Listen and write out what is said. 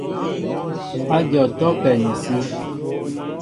Ádyɔŋ atɔ́' á pɛ ni sí.